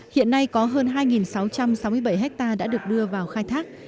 hiện nay có hơn hai sáu trăm sáu mươi bảy hectare đã được đưa vào khai thác